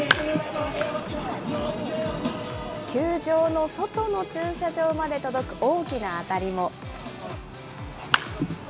球場の外の駐車場まで届く大きな当たりも。